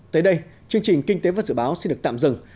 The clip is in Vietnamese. tới đây chương trình kinh tế và dự báo xin được tạm dừng